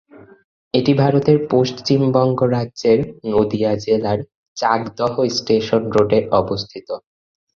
এটি ভারতের পশ্চিমবঙ্গ রাজ্যের নদীয়া জেলার চাকদহ স্টেশন রোডে অবস্থিত।